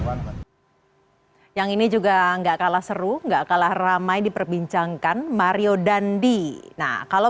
banten yang ini juga enggak kalah seru enggak kalah ramai diperbincangkan mario dandi nah kalau